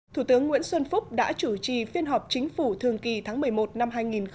thủ tướng nguyễn xuân phúc đã chủ trì phiên họp chính phủ thường kỳ tháng một mươi một năm hai nghìn một mươi chín